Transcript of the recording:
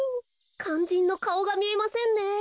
かんじんのかおがみえませんね。